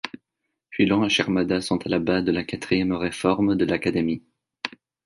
Philon et Charmadas sont à la base de la quatrième réforme de l'Académie.